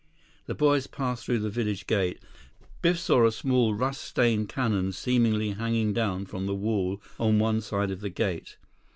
The boys passed through the village gate. Biff saw a small, rust stained cannon seemingly hanging down from the wall on one side of the gate.